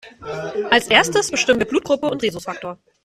Als Erstes bestimmen wir Blutgruppe und Rhesusfaktor.